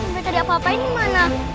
mereka ada apa apain dimana